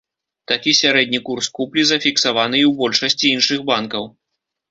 Такі сярэдні курс куплі зафіксаваны і ў большасці іншых банкаў.